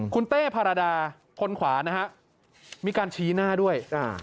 คุณเต้พารดาคนขวานะฮะมีการชี้หน้าด้วย